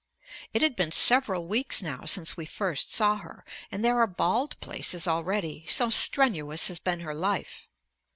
It has been several weeks now since we first saw her, and there are bald places already so strenuous has been her life.